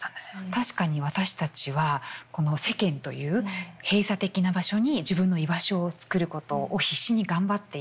確かに私たちはこの世間という閉鎖的な場所に自分の居場所を作ることを必死に頑張っている。